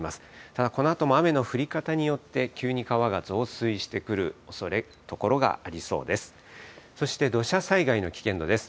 ただこのあとも雨の降り方によって、急に川が増水してくる所がありそうです。